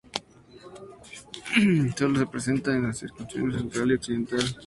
Sólo se presentan en las circunscripciones central y occidental.